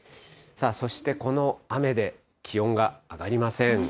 そしてこの雨で気温が上がりません。